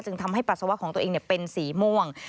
ทำให้ปัสสาวะของตัวเองเป็นสีม่วง